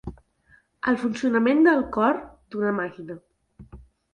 El funcionament del cor, d'una màquina.